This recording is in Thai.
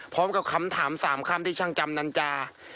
พร้อมกับคำถาม๓คำที่ช่างจำนันจา